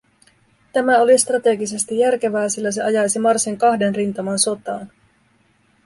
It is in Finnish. Tämä oli strategisesti järkevää, sillä se ajaisi Marsin kahden rintaman sotaan.